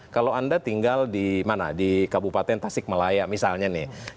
kalau anda tinggal di kabupaten tasik melaya misalnya nih